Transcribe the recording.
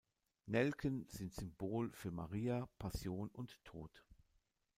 Nelken sind Symbol für Maria, Passion und Tod.